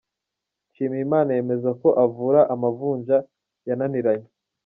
Nshimiyimana yemeza ko avura amavunja yananiranye.